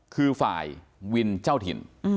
คือฝ่ายวินเจ้าถิ่น